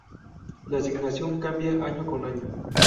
La asignación cambia año con año.